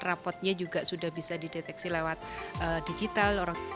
yang lainnya juga sudah bisa dideteksi lewat digital